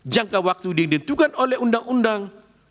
jangka waktu yang dihentikan oleh undang undang